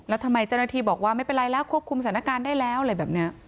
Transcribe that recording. แล้วทำไมเจ้าหน้าที่บอกว่าไม่เป็นไรแล้วควบคุมสถานการณ์ได้แล้วอะไรแบบนี้